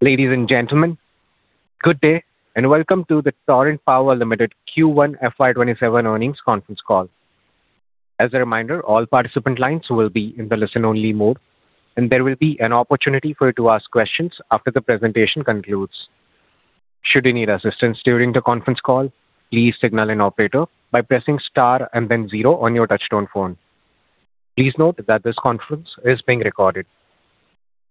Ladies and gentlemen, good day and welcome to the Torrent Power Limited Q1 FY 2027 Earnings Conference Call. As a reminder, all participant lines will be in the listen only mode and there will be an opportunity for you to ask questions after the presentation concludes. Should you need assistance during the conference call, please signal an operator by pressing star and then zero on your touchtone phone. Please note that this conference is being recorded.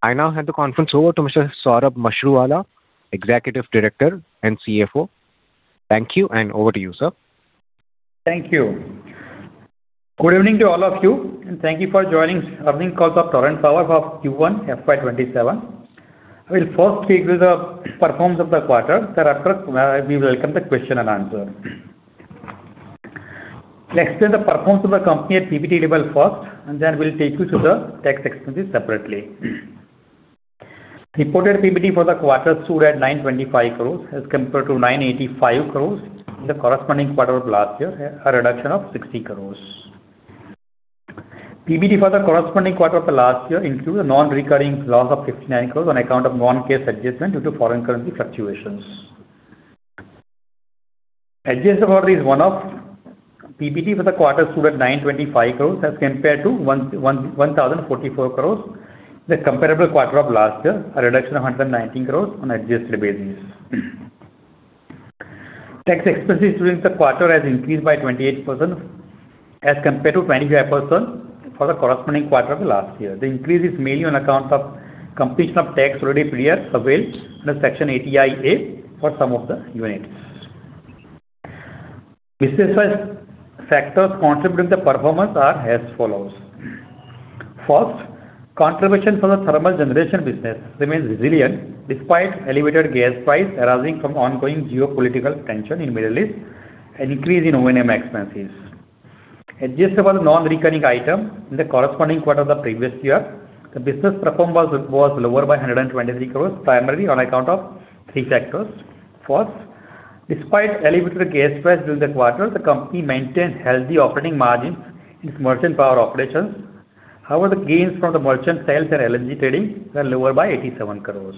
I now hand the conference over to Mr. Saurabh Mashruwala, Executive Director and CFO. Thank you and over to you, sir. Thank you. Good evening to all of you and thank you for joining Earnings Call of Torrent Power for Q1 FY 2027. I will first take you through the performance of the quarter, thereafter, we will welcome the question and answer. I will explain the performance of the company at PBT level first, and then we will take you through the tax expenses separately. Reported PBT for the quarter stood at 925 crore as compared to 985 crore in the corresponding quarter of last year, a reduction of 60 crore. PBT for the corresponding quarter of the last year includes a non-recurring loss of 59 crore on account of non-cash adjustment due to foreign currency fluctuations. Adjusted for these one-off, PBT for the quarter stood at 925 crore as compared to 1,044 crore in the comparable quarter of last year, a reduction of 119 crore on adjusted basis. Tax expenses during the quarter has increased by 28% as compared to 25% for the corresponding quarter of last year. The increase is mainly on account of completion of tax related prior assessments under Section 80IA for some of the units. Business-wise factors contributing the performance are as follows. First, contribution from the thermal generation business remains resilient despite elevated gas price arising from ongoing geopolitical tension in Middle East and increase in O&M expenses. Adjusted for the non-recurring item in the corresponding quarter of the previous year, the business performance was lower by 123 crore, primarily on account of three factors. First, despite elevated gas price during the quarter, the company maintained healthy operating margin in its merchant power operations. However, the gains from the merchant sales and LNG trading were lower by 87 crore.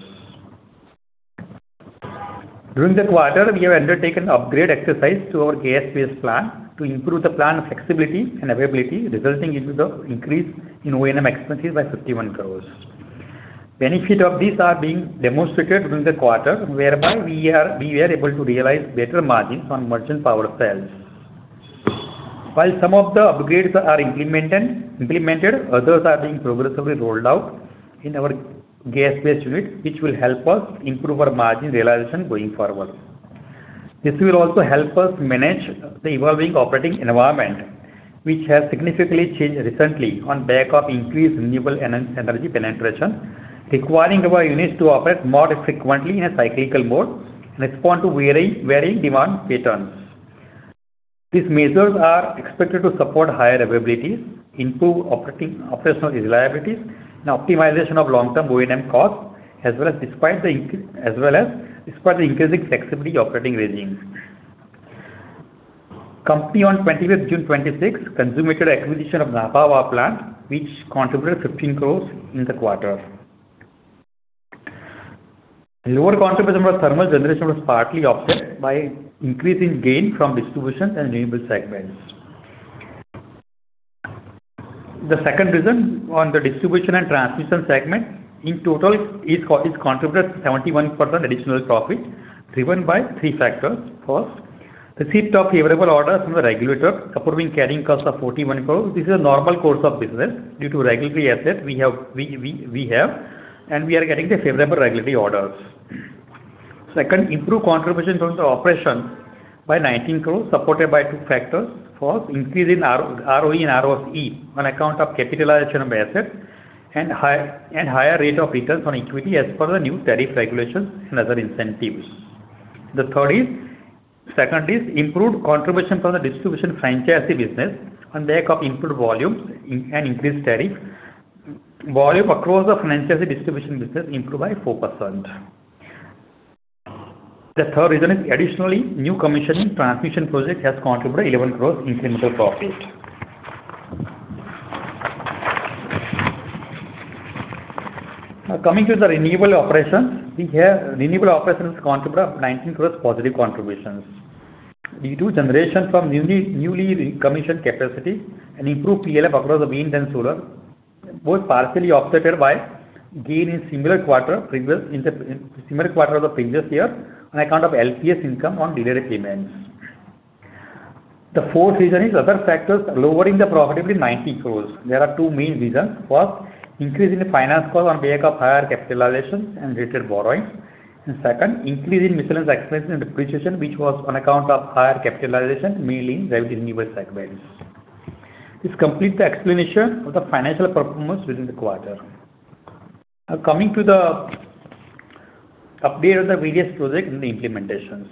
During the quarter, we have undertaken upgrade exercise to our gas-based plant to improve the plant flexibility and availability, resulting into the increase in O&M expenses by 51 crore. Benefit of these are being demonstrated during the quarter whereby we were able to realize better margins on merchant power sales. While some of the upgrades are implemented, others are being progressively rolled out in our gas-based unit which will help us improve our margin realization going forward. This will also help us manage the evolving operating environment, which has significantly changed recently on back of increased renewable energy penetration, requiring our units to operate more frequently in a cyclical mode and respond to varying demand patterns. These measures are expected to support higher availabilities, improve operational reliabilities and optimization of long-term O&M costs as well as despite the increasing flexibility operating regimes. Company on 25th June 2026 consummated acquisition of Nabha Power plant which contributed 15 crore in the quarter. Lower contribution from our thermal generation was partly offset by increase in gain from distribution and renewable segments. The second reason on the distribution and transmission segment in total is contributed 71% additional profit driven by three factors. First, receipt of favorable orders from the regulator approving carrying costs of 41 crore. This is a normal course of business due to regulatory assets we have and we are getting the favorable regulatory orders. Second, improved contribution towards the operation by 19 crore supported by two factors. First, increase in ROE and RoCE on account of capitalization of assets and higher rate of returns on equity as per the new tariff regulations and other incentives. The second is improved contribution from the distribution franchisee business on back of improved volumes and increased tariff. Volume across the franchisee distribution business improved by 4%. The third reason is additionally new commissioning transmission project has contributed 11 crore incremental profit. Now coming to the renewable operations. We have renewable operations contributed 19 crore positive contributions due to generation from newly commissioned capacity and improved PLF across the wind and solar, both partially offsetted by gain in similar quarter of the previous year on account of LPS income on delayed payments. The fourth reason is other factors lowering the profitability, 90 crore. There are two main reasons. First, increase in the finance cost on back of higher capitalizations and retail borrowings. Second, increase in miscellaneous expenses and depreciation which was on account of higher capitalizations, mainly derived in renewable segments. This completes the explanation of the financial performance during the quarter. Now coming to the update on the various projects and the implementations.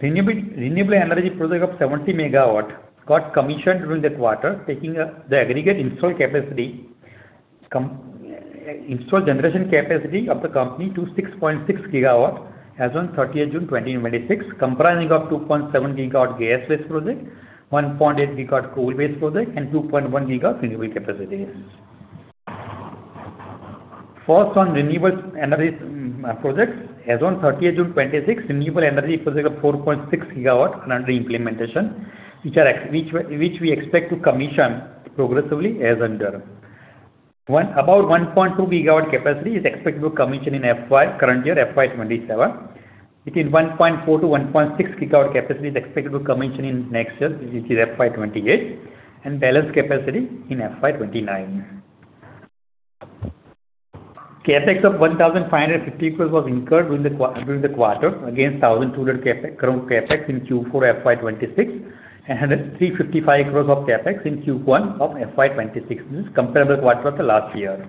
Renewable energy project of 70 MW got commissioned during that quarter taking the aggregate installed generation capacity of the company to 6.6 GW as on 30th June 2026, comprising of 2.7 GW gas-based project, 1.8 GW coal-based project and 2.1 GW renewable capacities. First, on renewable energy projects, as on 30th June 2026, renewable energy projects of 4.6 GW are under implementation, which we expect to commission progressively as under. About 1.2 GW capacity is expected to commission in FY 2027. Between 1.4 GW-1.6 GW capacity is expected to commission in next year, which is FY 2028, and balance capacity in FY 2029. CapEx of 1,550 crore was incurred during the quarter against 1,200 crore CapEx in Q4 FY 2026 and 355 crore of CapEx in Q1 of FY 2026. This is comparable quarter of the last year.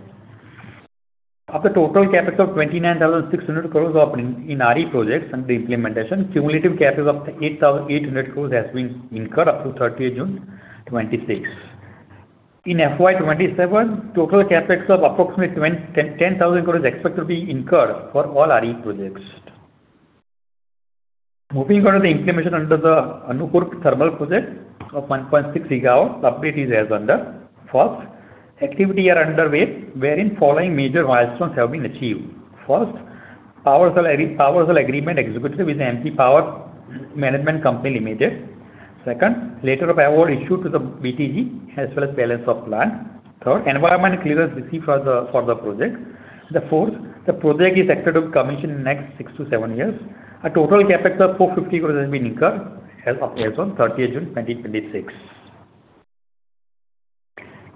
Of the total CapEx of 29,600 crore in RE projects under implementation, cumulative CapEx of 8,800 crore has been incurred up to 30th June 2026. In FY 2027, total CapEx of approximately 10,000 crore is expected to be incurred for all RE projects. Moving on to the implementation under the Anuppur Thermal Power Project of 1.6 GW, the update is as under. First, activity are underway, wherein following major milestones have been achieved. First, power sale agreement executed with M.P. Power Management Company Limited. Second, letter of award issued to the BTG as well as balance of plant. Third, environment clearance received for the project. The fourth, the project is expected to commission in next six-seven years. A total CapEx of 450 crore has been incurred as on 30th June 2026.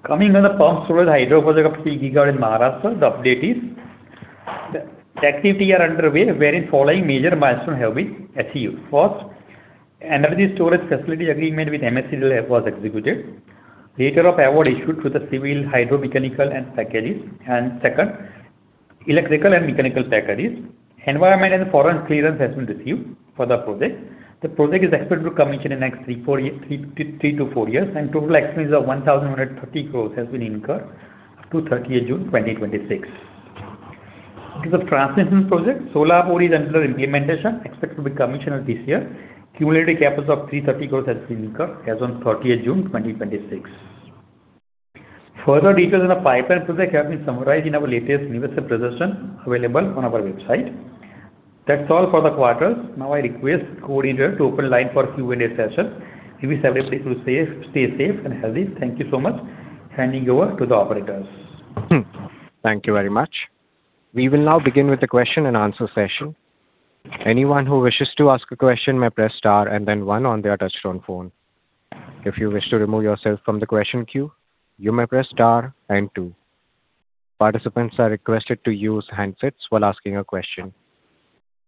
Coming on the Pumped Storage Hydro Project of 3 GW in Maharashtra, the update is the activity are underway, wherein following major milestones have been achieved. First, energy storage facility agreement with MHESCO was executed. Letter of award issued to the civil, hydro, mechanical packages and second, electrical and mechanical packages. Environmental and forest clearance has been received for the project. The project is expected to commission in next three-four years, and total expense of 1,130 crore has been incurred up to 30th June 2026. In terms of transmission projects, Solapur is under implementation, expected to be commissioned this year. Cumulative CapEx of 330 crore has been incurred as on 30th June 2026. Further details on the pipeline projects have been summarized in our latest investor presentation available on our website. That's all for the quarter. Now I request coordinator to open line for Q&A session. Wish everybody to stay safe and healthy. Thank you so much. Handing over to the operators. Thank you very much. We will now begin with the question and answer session. Anyone who wishes to ask a question may press star and then one on their touchtone phone. If you wish to remove yourself from the question queue, you may press star and two. Participants are requested to use handsets while asking a question.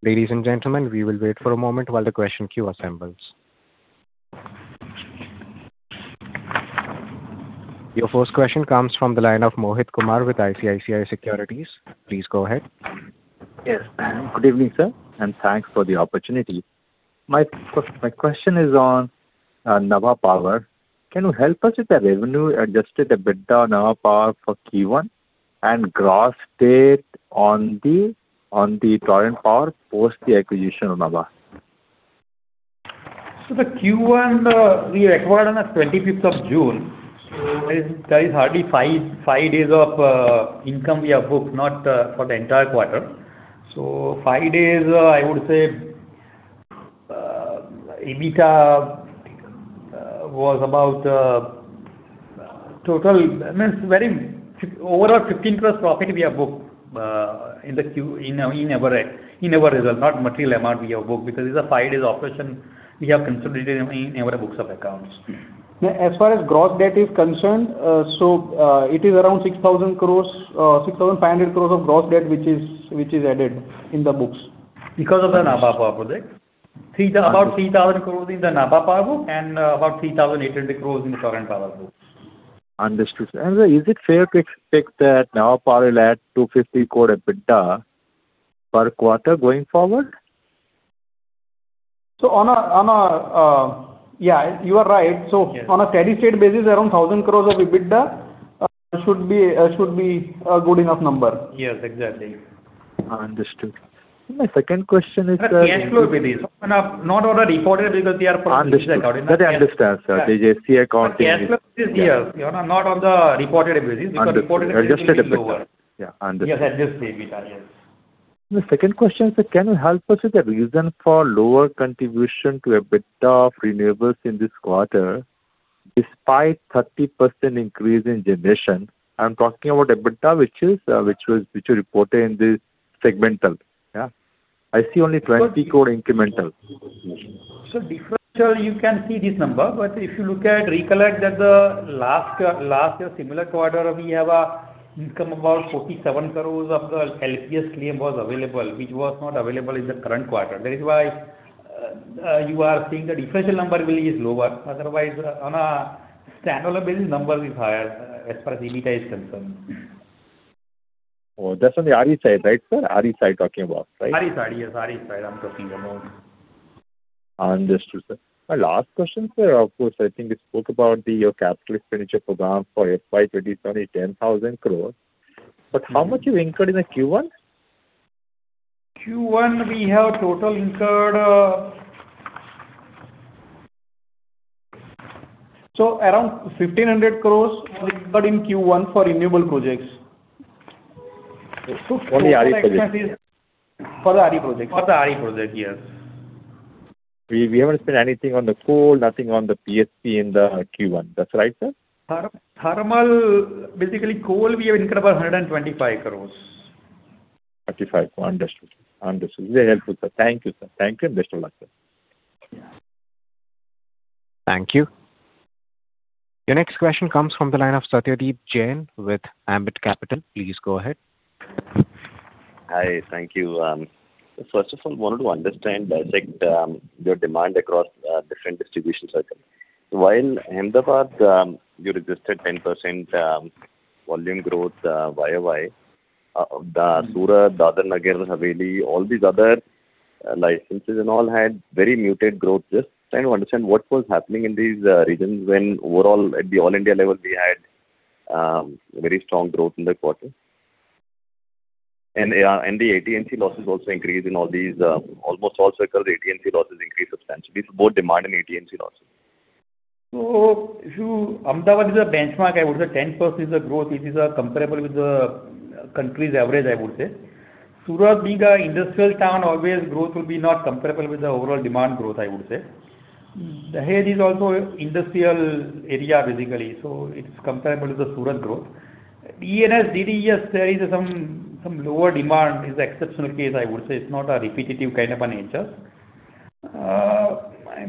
Ladies and gentlemen, we will wait for a moment while the question queue assembles. Your first question comes from the line of Mohit Kumar with ICICI Securities. Please go ahead. Yes. Good evening, sir, and thanks for the opportunity. My question is on Nabha Power. Can you help us with the revenue adjusted EBITDA Nabha Power for Q1 and gross debt on the Torrent Power post the acquisition of Nabha? The Q1, we acquired on the 25th of June. There is hardly five days of income we have booked, not for the entire quarter. Five days, I would say, EBITDA was about overall 15 crores profit we have booked in our result. Not material amount we have booked, because it is a five days operation we have consolidated in our books of accounts. As far as gross debt is concerned, it is around 6,500 crores of gross debt, which is added in the books. Because of the Nabha Power project. About 3,000 crores in the Nabha Power book and about 3,800 crores in the Torrent Power book. Understood. Is it fair to expect that Nabha Power will add 250 crore EBITDA per quarter going forward? You are right. On a steady state basis, around 1,000 crores of EBITDA should be a good enough number. Yes, exactly. Understood. My second question is. Cash flow basis. Not on the reported because they are. Understood. I understand, sir. The Ind AS accounting. Cash flow is here. Not on the reported basis because reported. Understood. Adjusted EBITDA. Yes, adjusted EBITDA. Yes. The second question, sir, can you help us with the reason for lower contribution to EBITDA of renewables in this quarter despite 30% increase in generation? I am talking about EBITDA, which you reported in the segmental. I see only 20 crore incremental. Sir, differential, you can see this number, but if you recollect that the last year similar quarter, we have income about 47 crore of the LPS claim was available, which was not available in the current quarter. That is why you are seeing the differential number is lower. Otherwise, on a standalone basis, number is higher as far as EBITDA is concerned. That is on the RE side, right, sir? RE side, you are talking about, right? RE side. Yes, RE side, I am talking about. Understood, sir. My last question, sir. I think we spoke about your capital expenditure program for FY 2027 is 10,000 crore. How much you incurred in the Q1? Around 1,500 crore are incurred in Q1 for renewable projects. Only RE projects. For the RE projects. For the RE project, yes. We haven't spent anything on the coal, nothing on the PSP in the Q1. That's right, sir? Thermal, basically coal, we have incurred about 125 crores. 125, understood. Very helpful, sir. Thank you, sir. Thank you. Best of luck, sir. Thank you. Your next question comes from the line of Satyadeep Jain with Ambit Capital. Please go ahead. Hi. Thank you. First of all, wanted to understand, dissect your demand across different distribution circles. While Ahmedabad you registered 10% volume growth YOY, Surat, Dadra & Nagar Haveli, all these other licenses and all had very muted growth. Just trying to understand what was happening in these regions when overall at the all-India level, we had very strong growth in the quarter. The AT&C losses also increased in all these. Almost all circles, AT&C losses increased substantially. Both demand and AT&C losses. Ahmedabad is a benchmark. I would say 10% is a growth which is comparable with the country's average. Surat being a industrial town, always growth will be not comparable with the overall demand growth. Dadra is also industrial area, basically, it's comparable to the Surat growth. DNH&DD, there is some lower demand, is exceptional case, I would say. It's not a repetitive kind of a nature.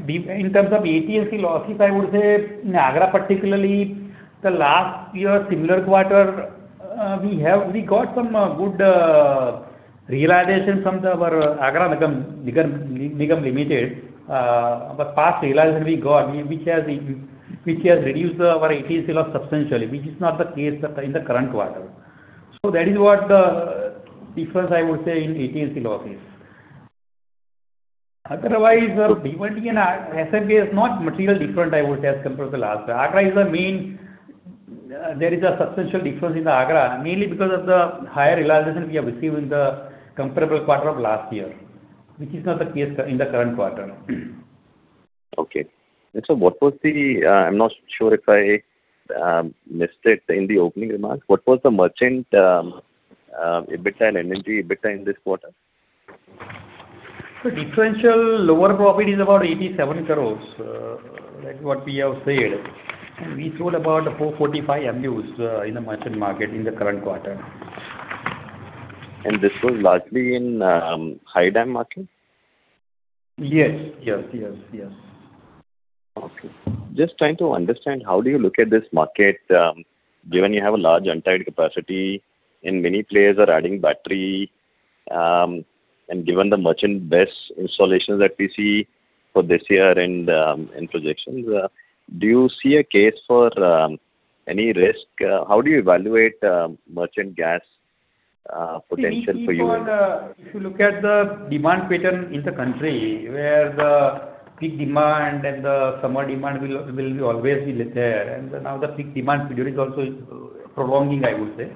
In terms of AT&C losses, I would say in Agra particularly, the last year similar quarter, we got some good realizations from our Agra Nagar Nigam. The past realization we got, which has reduced our AT&C loss substantially, which is not the case in the current quarter. That is what the difference, I would say, in AT&C losses. Otherwise, DBTL and SFB is not material different, I would say, as compared to the last year. There is a substantial difference in the Agra, mainly because of the higher realization we have received in the comparable quarter of last year, which is not the case in the current quarter. Okay. What was the, I'm not sure if I missed it in the opening remarks, what was the merchant EBITDA and NNP EBITDA in this quarter? Sir, differential lower profit is about 87 crore. That is what we have said. We sold about 445 MUs in the merchant market in the current quarter. This was largely in high DAM market? Yes. Okay. Just trying to understand, how do you look at this market, given you have a large untied capacity and many players are adding battery, given the merchant BESS installations that we see for this year and projections, do you see a case for any risk? How do you evaluate merchant gas potential for you? If you look at the demand pattern in the country, where the peak demand and the summer demand will always be there, now the peak demand period is also prolonging, I would say.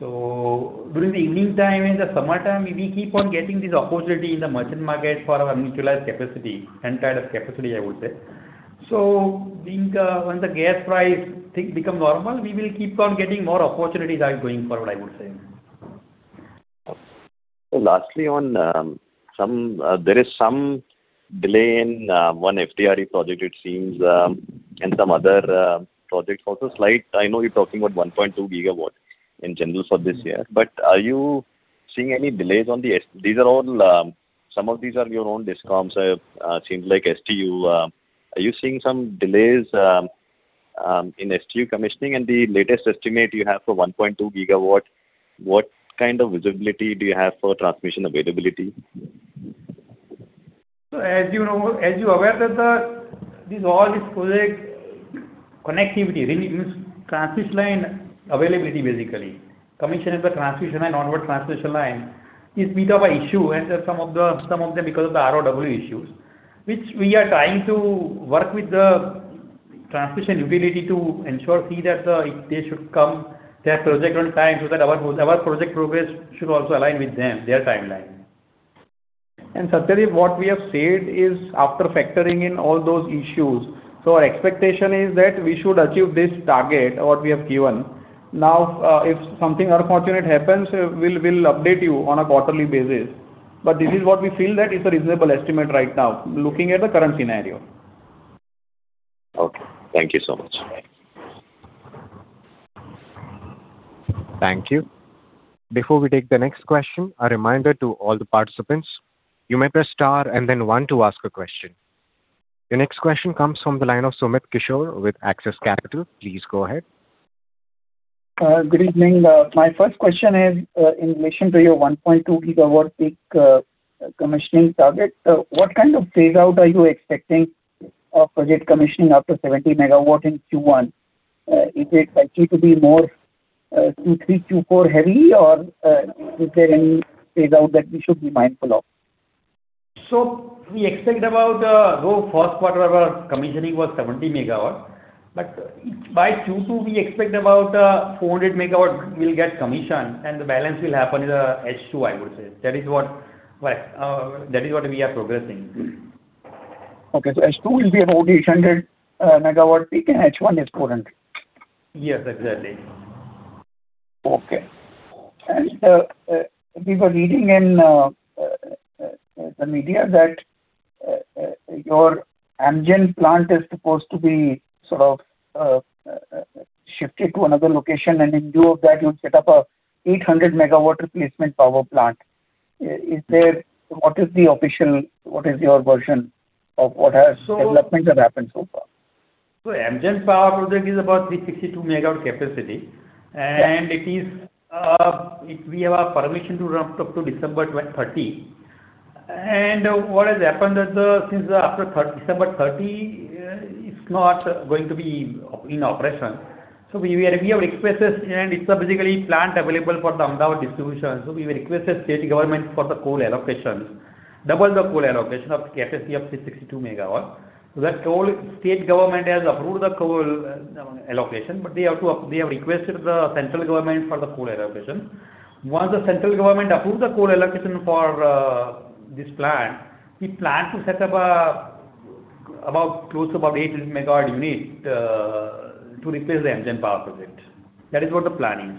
During the evening time and the summer time, we keep on getting this opportunity in the merchant market for our mutualized capacity, entire capacity, I would say. When the gas price become normal, we will keep on getting more opportunities going forward, I would say. Lastly, there is some delay in one FDRE project, it seems, and some other projects also, slight. I know you're talking about 1.2 GW in general for this year. Are you seeing any delays on some of these are your own DISCOMs, it seems like STU. Are you seeing some delays in STU commissioning and the latest estimate you have for 1.2 GW? What kind of visibility do you have for transmission availability? As you aware that all these project connectivity, transmission line availability, basically, commissioning the transmission and onward transmission line is bit of a issue, and some of them because of the ROW issues. Which we are trying to work with the transmission utility to ensure, see that they should come, their project on time, so that our project progress should also align with their timeline. Satyadeep, what we have said is after factoring in all those issues. Our expectation is that we should achieve this target, what we have given. Now, if something unfortunate happens, we'll update you on a quarterly basis. This is what we feel that is a reasonable estimate right now, looking at the current scenario. Okay. Thank you so much. Thank you. Before we take the next question, a reminder to all the participants, you may press star and then one to ask a question. Your next question comes from the line of Sumit Kishore with Axis Capital. Please go ahead. Good evening. My first question is, in relation to your 1.2 GW peak commissioning target, what kind of phaseout are you expecting of project commissioning after 70 MW in Q1? Is it likely to be more Q3, Q4 heavy, or is there any phaseout that we should be mindful of? We expect about, though first quarter our commissioning was 70 MW, but by Q2, we expect about 400 MW will get commissioned, and the balance will happen in H2, I would say. That is what we are progressing. Okay. H2 will be about 800 MW peak and H1 is 400. Yes, exactly. Okay. We were reading in the media that your AMGEN Power Plant is supposed to be sort of shifted to another location, and in lieu of that, you'll set up a 800 MW replacement power plant. What is your version of what developments have happened so far? AMGEN Power Plant is about 362 MW capacity, and we have a permission to ramp up to December 30. What has happened is, since after December 30, it's not going to be in operation. We have expressed this, and it's basically plant available for the Ahmedabad distribution. We were requested state government for the coal allocations, double the coal allocation of capacity of 362 MW. That coal, state government has approved the coal allocation, but they have requested the central government for the coal allocation. Once the central government approves the coal allocation for this plant, we plan to set up close to about 800 MW unit, to replace the AMGEN Power Plant. That is what the plan is.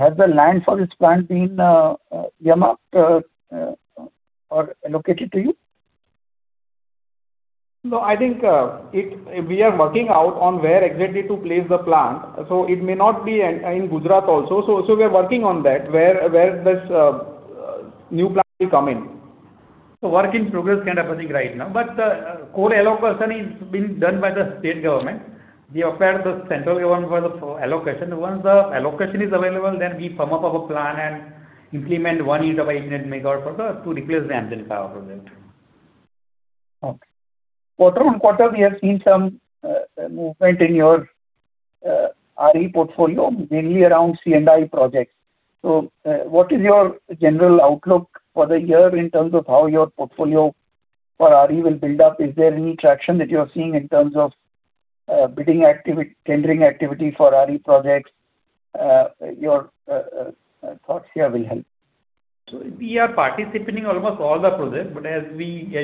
Has the land for this plant been earmarked or allocated to you? I think we are working out on where exactly to place the plant, it may not be in Gujarat also. We are working on that, where this new plant will come in. Work in progress kind of a thing right now, but coal allocation is being done by the state government. We applied to the central government for the allocation. Once the allocation is available, then we firm up our plan and implement one unit of 800 MW to replace the AMGEN Power Plant. Okay. Quarter-on-quarter, we have seen some movement in your RE portfolio, mainly around C&I projects. What is your general outlook for the year in terms of how your portfolio for RE will build up? Is there any traction that you're seeing in terms of tendering activity for RE projects? Your thoughts here will help. We are participating in almost all the projects, as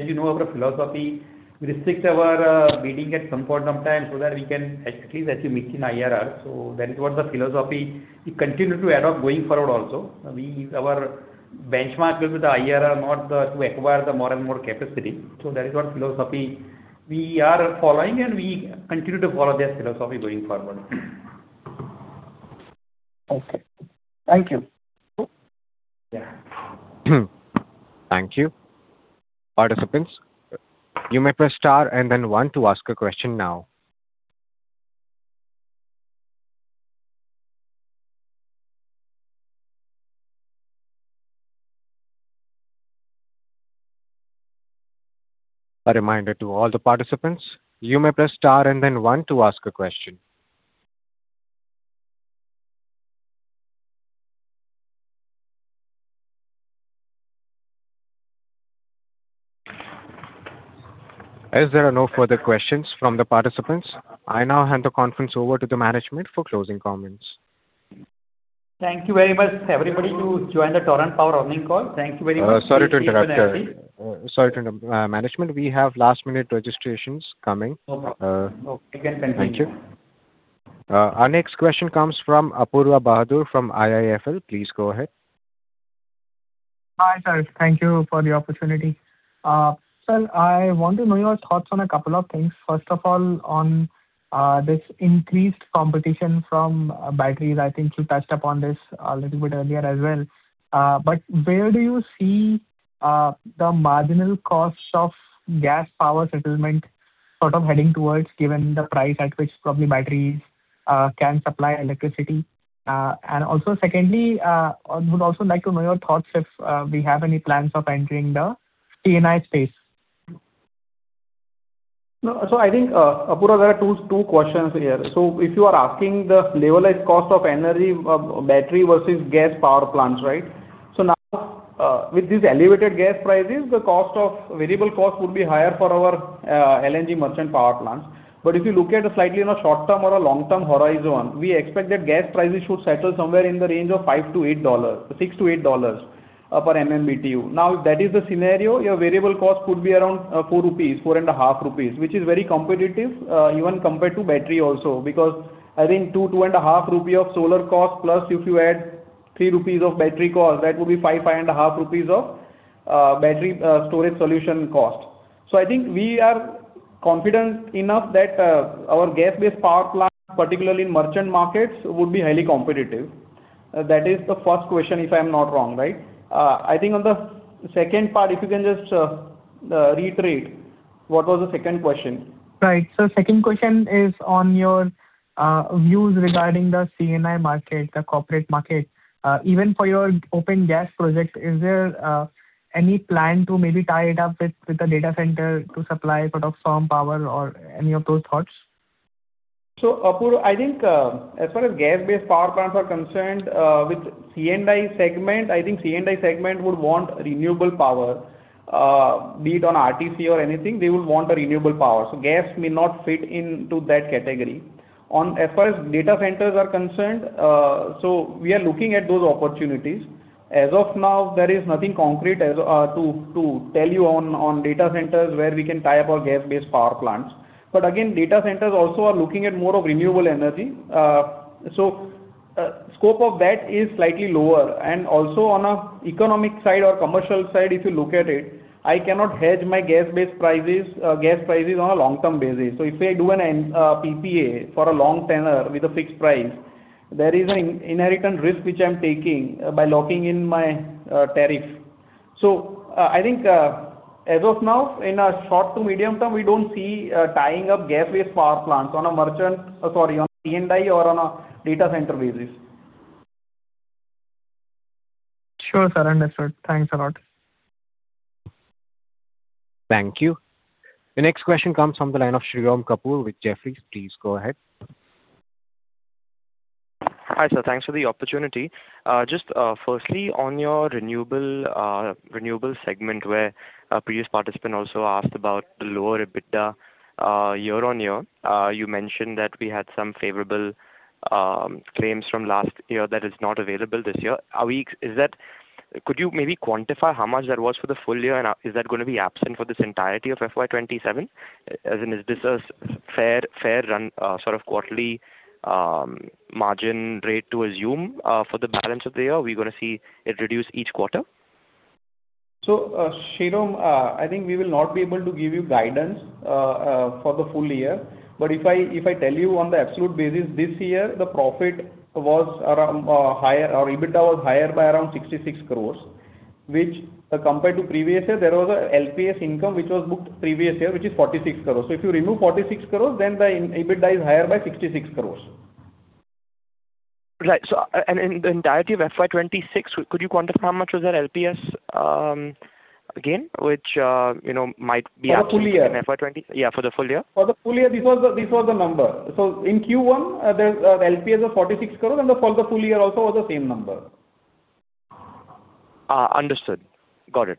you know of our philosophy, we restrict our bidding at some point of time so that we can at least achieve certain IRR. That is what the philosophy we continue to adopt going forward also. Our benchmark will be the IRR, not to acquire more and more capacity. That is our philosophy we are following, and we continue to follow that philosophy going forward. Okay. Thank you. Yeah. Thank you. Participants, you may press star and then one to ask a question now. A reminder to all the participants, you may press star and then one to ask a question. As there are no further questions from the participants, I now hand the conference over to the management for closing comments. Thank you very much, everybody, who joined the Torrent Power earning call. Thank you very much. Sorry to interrupt. Sorry to interrupt, management. We have last-minute registrations coming. No problem. Okay. We can continue. Thank you. Our next question comes from Apoorva Bahadur from IIFL. Please go ahead. Hi, sir. Thank you for the opportunity. Sir, I want to know your thoughts on a couple of things. First of all, on this increased competition from batteries. I think you touched upon this a little bit earlier as well. Where do you see the marginal cost of gas power settlement sort of heading towards, given the price at which probably batteries can supply electricity? Also secondly, I would also like to know your thoughts if we have any plans of entering the C&I space. I think, Apoorva, there are two questions here. If you are asking the levelized cost of energy battery versus gas power plants, right? Now, with these elevated gas prices, the cost of variable cost would be higher for our LNG merchant power plants. If you look at a slightly short-term or a long-term horizon, we expect that gas prices should settle somewhere in the range of $5-$8, $6-$8 per MMBtu. Now, if that is the scenario, your variable cost could be around 4 rupees, 4.5 rupees, which is very competitive, even compared to battery also, because I think 2.5 rupee of solar cost plus if you add 3 rupees of battery cost, that would be 5.5 rupees of battery storage solution cost. I think we are confident enough that our gas-based power plant, particularly in merchant markets, would be highly competitive. That is the first question, if I'm not wrong. I think on the second part, if you can just reiterate, what was the second question? Right. Second question is on your views regarding the C&I market, the corporate market. Even for your Open Gas project, is there any plan to maybe tie it up with a data center to supply sort of firm power or any of those thoughts? Apoorva, I think, as far as gas-based power plants are concerned, with C&I segment, I think C&I segment would want renewable power. Be it on RTC or anything, they would want a renewable power. Gas may not fit into that category. As far as data centers are concerned, we are looking at those opportunities. As of now, there is nothing concrete to tell you on data centers where we can tie up our gas-based power plants. Again, data centers also are looking at more of renewable energy. Scope of that is slightly lower. Also on an economic side or commercial side, if you look at it, I cannot hedge my gas-based prices, gas prices on a long-term basis. If I do an PPA for a long tenure with a fixed price, there is an inherent risk which I'm taking by locking in my tariff. I think as of now, in a short to medium-term, we don't see tying up gas-based power plants on a Sorry, on C&I or on a data center basis. Sure, sir. Understood. Thanks a lot. Thank you. The next question comes from the line of Shirom Kapur with Jefferies. Please go ahead. Hi, sir. Thanks for the opportunity. Firstly, on your renewable segment, where a previous participant also asked about the lower EBITDA year-on-year. You mentioned that we had some favorable claims from last year that is not available this year. Could you maybe quantify how much that was for the full year, and is that going to be absent for this entirety of FY 2027? As in, is this a fair run quarterly margin rate to assume for the balance of the year? Are we going to see it reduce each quarter? Shirom, I think we will not be able to give you guidance for the full year. If I tell you on the absolute basis, this year the profit was higher or EBITDA was higher by around 66 crores, which compared to previous year, there was a LPS income which was booked previous year, which is 46 crores. If you remove 46 crores, the EBITDA is higher by 66 crores. Right. In the entirety of FY 2026, could you quantify how much was that LPS gain, which might be? For the full year. Yeah, for the full year. For the full year, this was the number. In Q1, the LPS was 46 crores, and for the full year also was the same number. Understood. Got it.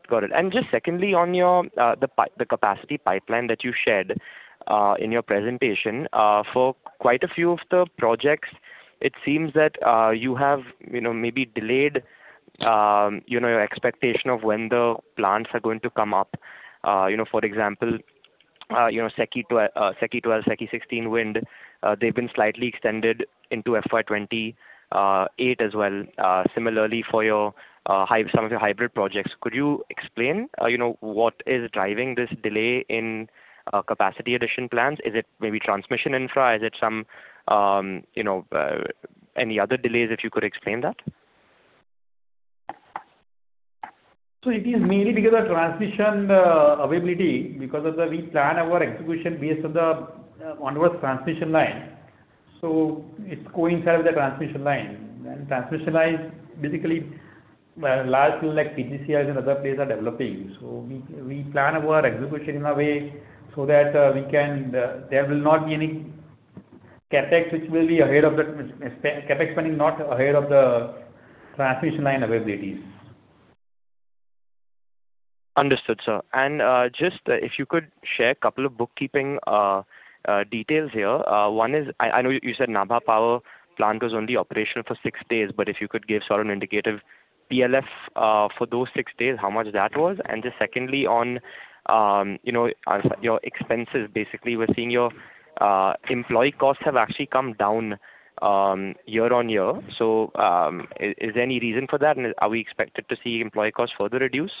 Just secondly on the capacity pipeline that you shared in your presentation. For quite a few of the projects, it seems that you have maybe delayed your expectation of when the plants are going to come up. For example SECI 12, SECI 16 wind, they've been slightly extended into FY 2028 as well. Similarly, for some of your hybrid projects. Could you explain what is driving this delay in capacity addition plans? Is it maybe transmission infra? Is it any other delays, if you could explain that? It is mainly because of transmission availability. We plan our execution based on the onwards transmission line. It coincides with the transmission line. Transmission line, basically, large things like PGCIL and other things are developing. We plan our execution in a way so that there will not be any CapEx spending not ahead of the transmission line availabilities. Understood, sir. Just if you could share a couple of bookkeeping details here. One is, I know you said Nabha Power Plant was only operational for six days, but if you could give sort of an indicative PLF for those six days, how much that was? Just secondly, on your expenses. Basically, we're seeing your employee costs have actually come down year-on-year. Is there any reason for that, and are we expected to see employee costs further reduce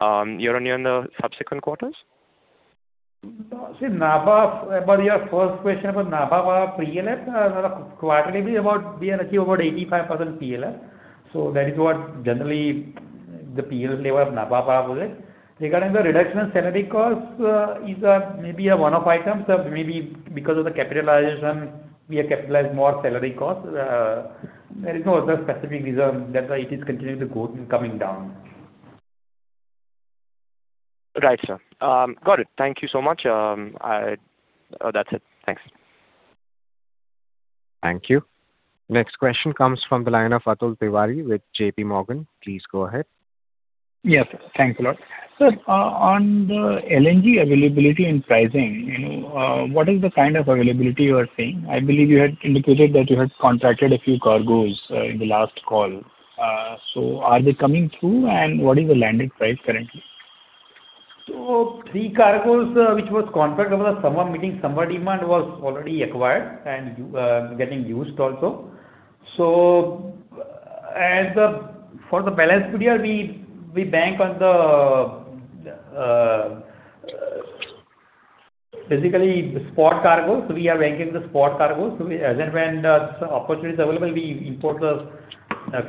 year-on-year in the subsequent quarters? About your first question about Nabha Power PLF, quarterly we achieve about 85% PLF. That is what generally the PLF level of Nabha Power was. Regarding the reduction in salary costs, is maybe a one-off item. Maybe because of the capitalization, we have capitalized more salary costs. There is no other specific reason that it is continuing to coming down. Right, sir. Got it. Thank you so much. That's it. Thanks. Thank you. Next question comes from the line of Atul Tiwari with JP Morgan. Please go ahead. Yes. Thanks a lot. Sir, on the LNG availability and pricing, what is the kind of availability you are seeing? I believe you had indicated that you had contracted a few cargoes in the last call. Are they coming through, and what is the landed price currently? Three cargoes, which was contracted for the summer meeting, summer demand was already acquired and getting used also. For the balance period, we bank on the, basically, spot cargoes. We are banking the spot cargoes. As and when the opportunity is available, we import the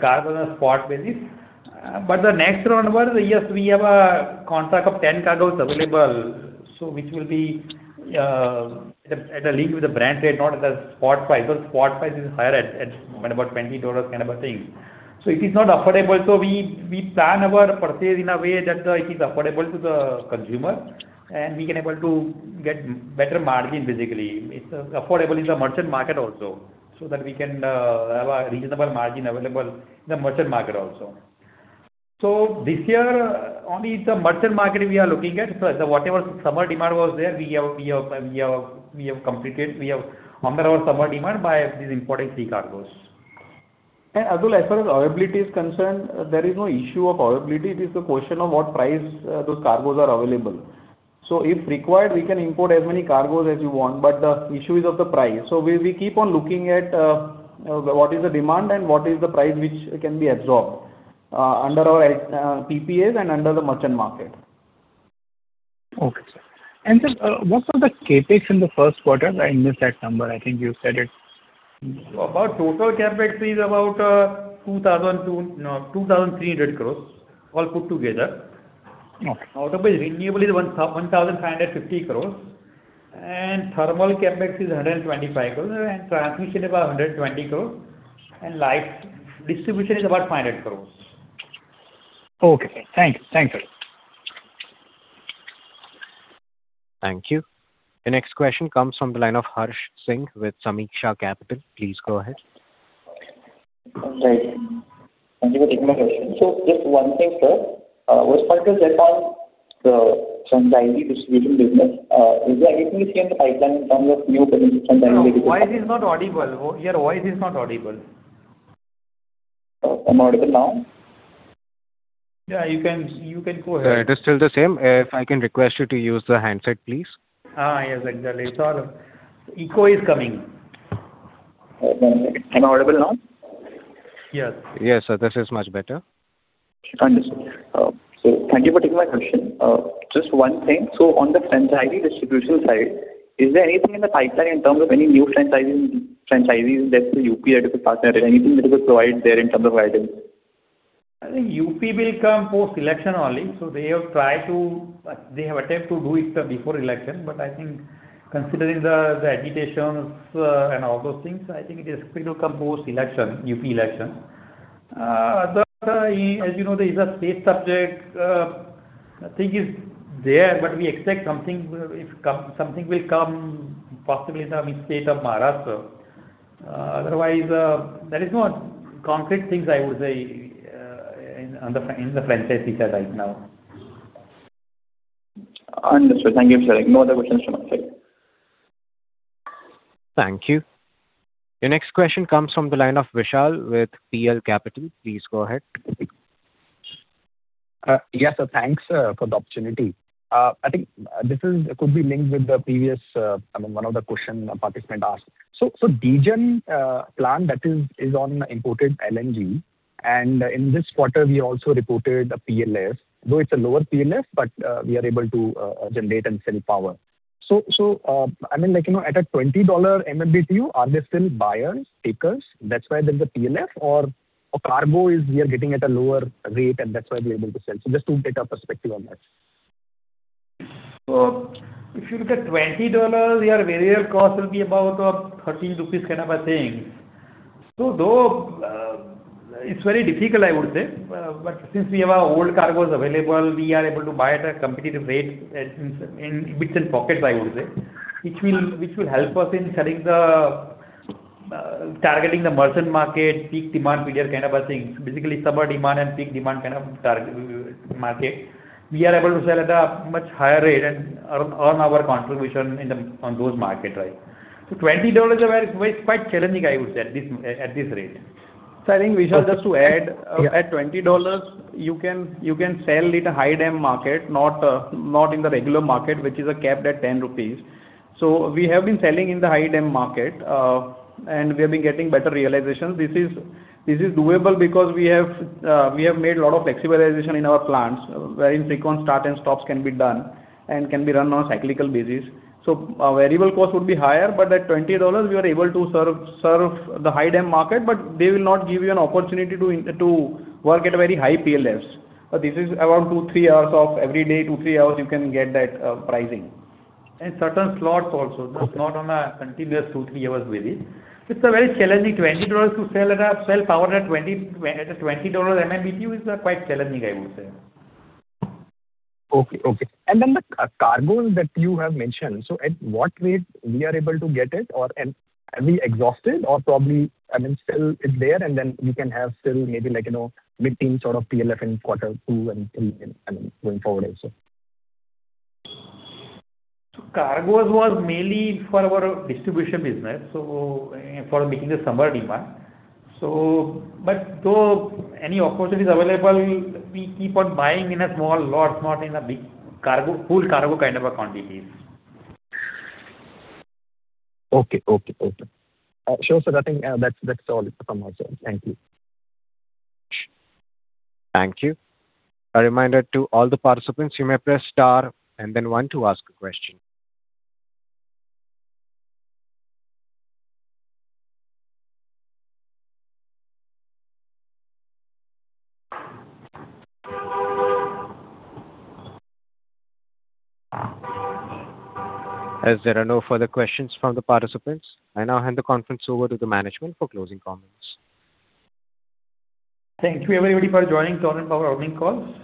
cargo on a spot basis. The next round was, yes, we have a contract of 10 cargoes available. Which will be at a link with the Brent rate, not at the spot price. Spot price is higher at about $20 kind of a thing. It is not affordable. We plan our purchase in a way that it is affordable to the consumer, and we can able to get better margin, basically. It's affordable in the merchant market also, so that we can have a reasonable margin available in the merchant market also. This year, only the merchant market we are looking at. Whatever summer demand was there, we have completed. We have honored our summer demand by importing three cargoes. Atul, as far as availability is concerned, there is no issue of availability. It is a question of what price those cargoes are available. If required, we can import as many cargoes as you want, but the issue is of the price. We keep on looking at what is the demand and what is the price which can be absorbed under our PPAs and under the merchant market. Okay, sir. Sir, what are the CapEx in the first quarter? I missed that number. I think you said it. About total CapEx is about 2,300 crores, all put together. Okay. Out of which, renewable is 1,550 crores, thermal CapEx is 125 crores, transmission about 120 crores, and light distribution is about 500 crores. Okay. Thanks, sir. Thank you. The next question comes from the line of Harsh Singh with Sameeksha Capital. Please go ahead. Right. Thank you for taking my question. Just one thing, sir. With respect to the franchise distribution business, is there anything we see on the pipeline in terms of new franchise and dynamic- No, voice is not audible. Your voice is not audible. I'm audible now? Yeah, you can go ahead. It is still the same. If I can request you to use the handset, please. Yes, exactly. It's all echo is coming. Am audible now? Yes. Yes, sir. This is much better. Understood. Thank you for taking my question. Just one thing. On the franchisee distribution side, is there anything in the pipeline in terms of any new franchisees, let's say, UP that you could partner with? Anything that you could provide there in terms of items? I think UP will come post-election only. They have attempted to do it before election, but I think considering the agitations and all those things, I think it is going to come post-UP election. As you know, it is a state subject. Nothing is there, but we expect something will come possibly in the state of Maharashtra. Otherwise, there is no concrete things I would say in the franchisee side right now. Understood. Thank you, sir. No other questions from my side. Thank you. The next question comes from the line of Vishal with PL Capital. Please go ahead. Yes, sir. Thanks for the opportunity. I think this could be linked with the previous, one of the question a participant asked. DGEN plant that is on imported LNG, and in this quarter, we also reported a PLF. Though it's a lower PLF, but we are able to generate and sell power. At a $20 MMBtu, are there still buyers, takers, that's why there's a PLF? Or cargo we are getting at a lower rate, and that's why we're able to sell. Just to get a perspective on that. If you look at $20, your variable cost will be about 13 rupees, kind of a thing. Though it's very difficult, I would say, but since we have our old cargoes available, we are able to buy at a competitive rate in bits and pockets, I would say, which will help us in targeting the merchant market, peak demand period kind of a thing. Basically, summer demand and peak demand kind of market. We are able to sell at a much higher rate and earn our contribution on those market. $20 is quite challenging, I would say, at this rate. Sir, I think we should just add, at $20, you can sell it high in the market, not in the regular market, which is capped at 10 rupees. We have been selling in the Day-Ahead Market, and we have been getting better realization. This is doable because we have made a lot of flexibilization in our plants, where in frequent start and stops can be done, and can be run on cyclical basis. Our variable cost would be higher, but at $20, we are able to serve the Day-Ahead Market, but they will not give you an opportunity to work at a very high PLFs. This is around two, three hours of every day, two, three hours you can get that pricing. In certain slots also, not on a continuous two, three hours basis. It's very challenging, $20 to sell power at a $20 MMBtu is quite challenging, I would say. Okay. The cargoes that you have mentioned, at what rate we are able to get it? Are we exhausted or probably, still it's there, and then we can have still maybe mid-teens sort of PLF in quarter two and three going forward also? Cargoes was mainly for our distribution business, so for meeting the summer demand. Though any opportunity is available, we keep on buying in a small lot, not in a big cargo, full cargo kind of a quantity. Okay. Sure, sir. I think that's all from my side. Thank you. Thank you. A reminder to all the participants, you may press star and then one to ask a question. There are no further questions from the participants, I now hand the conference over to the management for closing comments. Thank you, everybody, for joining Torrent Power earnings call.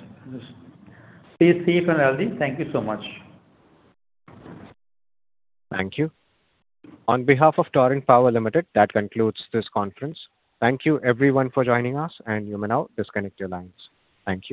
Stay safe and healthy. Thank you so much. Thank you. On behalf of Torrent Power Limited, that concludes this conference. Thank you everyone for joining us, and you may now disconnect your lines. Thank you.